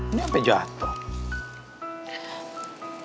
ini sampai jatoh